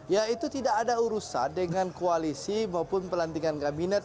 ya itu tidak ada urusan dengan koalisi maupun pelantikan kabinet